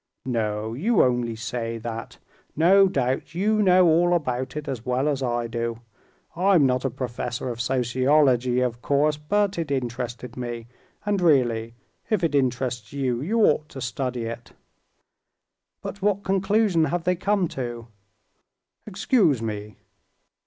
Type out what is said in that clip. "No, you only say that; no doubt you know all about it as well as I do. I'm not a professor of sociology, of course, but it interested me, and really, if it interests you, you ought to study it." "But what conclusion have they come to?" "Excuse me...."